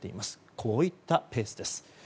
こういったケースです。